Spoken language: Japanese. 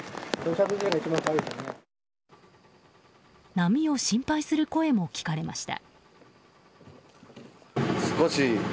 波を心配する声も聞かれました。